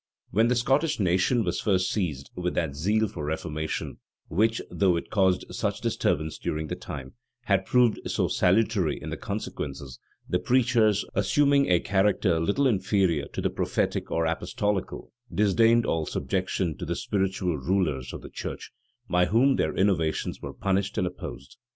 When the Scottish nation was first seized with that zeal for reformation, which, though it caused such disturbance during the time, has proved so salutary in the consequences, the preachers, assuming a character little inferior to the prophetic or apostolical, disdained all subjection to the spiritual rulers of the church, by whom their innovations were punished and opposed.